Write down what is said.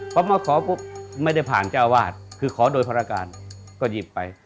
พอมาขอปุ๊บไม่ได้ผ่านเจ้าวาดคือขอโดยภารการก็หยิบไป